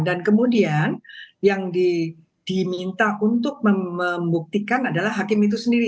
dan kemudian yang diminta untuk membuktikan adalah hakim itu sendiri